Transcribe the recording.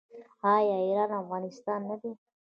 آیا ایران او افغانستان نه دي؟